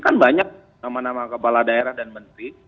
kan banyak nama nama kepala daerah dan menteri